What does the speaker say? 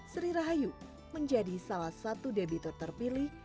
sri rahayu menjadi salah satu debitur terpilih